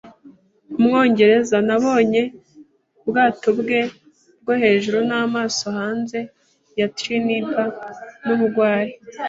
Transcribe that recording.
Umwongereza. Nabonye ubwato bwe bwo hejuru n'amaso, hanze ya Trinidad, n'ubugwari